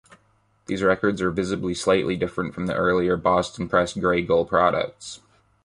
These records are visibly slightly different from the earlier Boston-pressed Grey Gull products.